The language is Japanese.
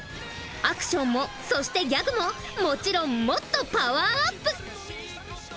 アクションもそしてギャグももちろんもっとパワーアップ！